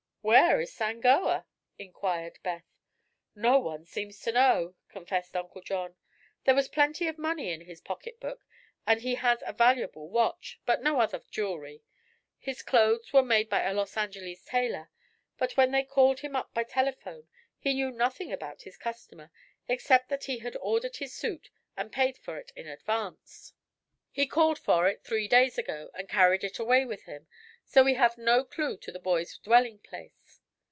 "Where is Sangoa?" inquired Beth. "No one seems to know," confessed Uncle John. "There was plenty of money in his pocket book and he has a valuable watch, but no other jewelry. His clothes were made by a Los Angeles tailor, but when they called him up by telephone he knew nothing about his customer except that he had ordered his suit and paid for it in advance. He called for it three days ago, and carried it away with him, so we have no clue to the boy's dwelling place."